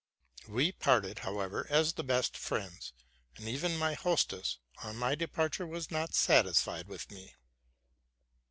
We parted, however, as the best friends; and even my hostess, on my departure, was not dissatisfied with me.